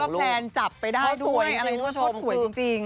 กล้องก็แพนจับไปได้ด้วยทดสวยจริง